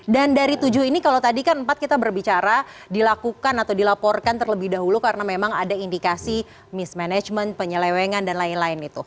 dari tujuh ini kalau tadi kan empat kita berbicara dilakukan atau dilaporkan terlebih dahulu karena memang ada indikasi mismanagement penyelewengan dan lain lain itu